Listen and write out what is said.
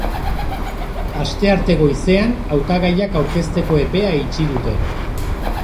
Astearte goizean hautagaiak aurkezteko epea itxi dute.